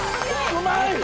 うまい！